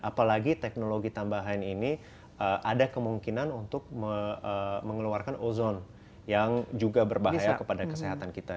apalagi teknologi tambahan ini ada kemungkinan untuk mengeluarkan ozon yang juga berbahaya kepada kesehatan kita